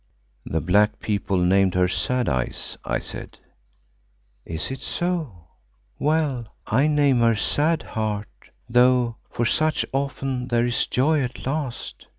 "The black people named her Sad Eyes," I said. "Is it so? Well, I name her Sad Heart, though for such often there is joy at last.